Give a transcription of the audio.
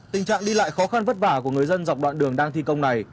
tình trạng đi lại khó khăn vất vả của người dân dọc đoạn đường đang thi công này